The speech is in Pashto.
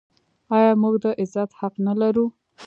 آیا موږ د عزت حق نلرو؟